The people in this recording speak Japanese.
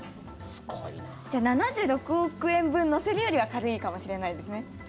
じゃあ７６億円分載せるよりは軽いかもしれないですね。